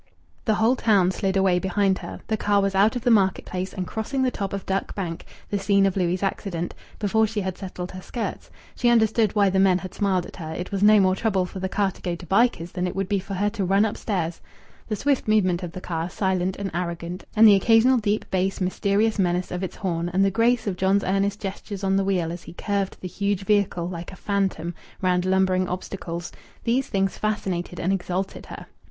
The whole town slid away behind her. The car was out of the market place and crossing the top of Duck Bank, the scene of Louis' accident, before she had settled her skirts. She understood why the men had smiled at her; it was no more trouble for the car to go to Bycars than it would be for her to run upstairs. The swift movement of the car, silent and arrogant, and the occasional deep bass mysterious menace of its horn, and the grace of John's Ernest's gestures on the wheel as he curved the huge vehicle like a phantom round lumbering obstacles these things fascinated and exalted her.